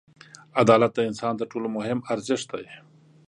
• عدالت د انسان تر ټولو مهم ارزښت دی.